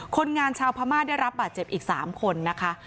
คนงานชาวพม่าได้รับบาดเจ็บอีก๓คนนะคะ